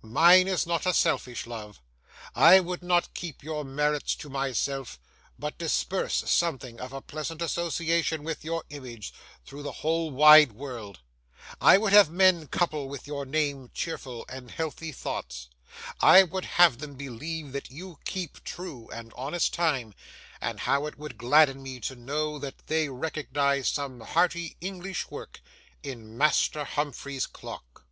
mine is not a selfish love; I would not keep your merits to myself, but disperse something of pleasant association with your image through the whole wide world; I would have men couple with your name cheerful and healthy thoughts; I would have them believe that you keep true and honest time; and how it would gladden me to know that they recognised some hearty English work in Master Humphrey's clock!